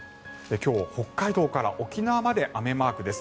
今日、北海道から沖縄まで雨マークです。